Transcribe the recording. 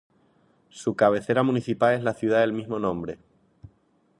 Su cabecera municipal es la ciudad del mismo nombre.